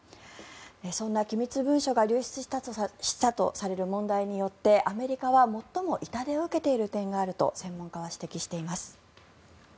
そんな機密文書が流出したとされる問題によってアメリカは最も痛手を受けている点があると専門家は指摘しています。